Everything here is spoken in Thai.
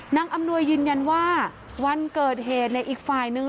อำนวยยืนยันว่าวันเกิดเหตุในอีกฝ่ายนึง